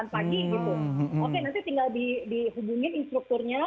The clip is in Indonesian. oke nanti tinggal dihubungin instrukturnya